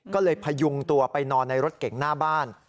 ก็เลยพยุงตัวไปนอนในรถเก่งหน้าบ้าน